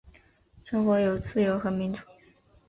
中国有自由和民主